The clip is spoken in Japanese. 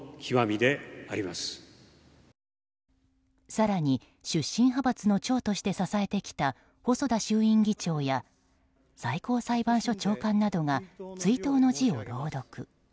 更に、出身派閥の長として支えてきた細田衆院議長や最高裁判所長官などが追悼の辞を朗読。